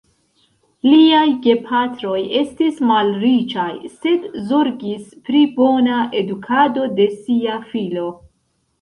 Liaj gepatroj estis malriĉaj, sed zorgis pri bona edukado de sia filo.